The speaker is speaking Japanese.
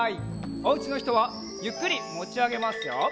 おうちのひとはゆっくりもちあげますよ。